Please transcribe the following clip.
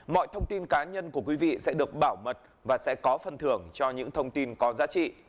mọi thông tin cá nhân của quý vị sẽ được bảo mật và sẽ có phần thưởng cho những thông tin có giá trị